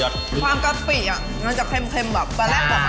ความกับสีอ่ะมันจะเค็มแบบแรงกว่ามัก